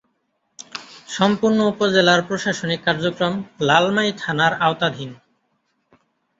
সম্পূর্ণ উপজেলার প্রশাসনিক কার্যক্রম লালমাই থানার আওতাধীন।